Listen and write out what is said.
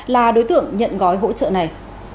là đối tượng nhận gói hỗ trợ này